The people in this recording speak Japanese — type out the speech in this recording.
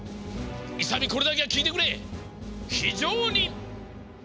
いさみこれだけはきいてくれ！